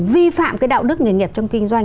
vi phạm cái đạo đức nghề nghiệp trong kinh doanh